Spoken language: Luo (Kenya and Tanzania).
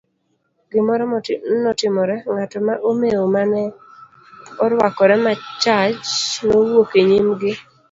Gimoro notimore, ng'ato ma omewo mane oruakore machach, nowuok e nyim gi.